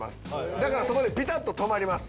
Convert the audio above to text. だからそこでピタッと止まります。